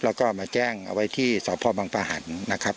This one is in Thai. แล้วก็มาแจ้งเอาไว้ที่สพบังปะหันนะครับ